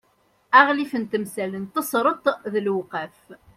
aɣlif n temsal n tesreḍt d lewqaf